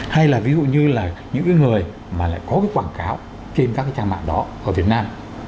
hay là ví dụ như là những người mà lại có cái quảng cáo trên các cái trang mạng đó ở việt nam